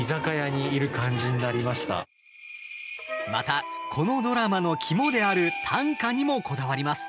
また、このドラマの肝である短歌にもこだわります。